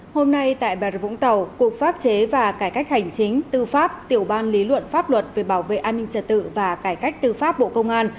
hôm nay tại bà rợ vũng tàu cục pháp chế và cải cách hành chính tư pháp tiểu ban lý luận pháp luật về bảo vệ an ninh trật tự và cải cách tư pháp bộ công an